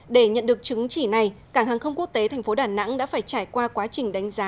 để nhận được chứng chỉ này cảng hàng không quốc tế thành phố đà nẵng đã phải trải qua quá trình đánh giá